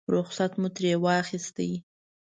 رخصت مو ترې واخیست.